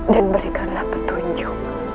dan berikanlah petunjuk